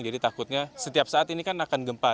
jadi takutnya setiap saat ini kan akan gempa